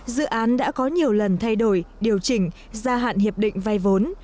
dự án đã có nhiều lần thay đổi điều chỉnh gia hạn hiệp định vay vốn